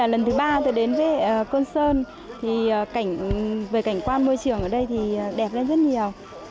lần thứ ba tôi đến với côn sơn thì về cảnh quan môi trường ở đây thì đẹp lên rất nhiều